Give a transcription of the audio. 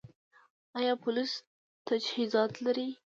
آیا پولیس تجهیزات لري؟